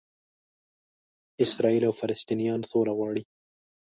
اسراییل او فلسطنینان سوله غواړي.